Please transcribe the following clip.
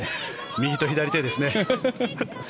右と左手ですね。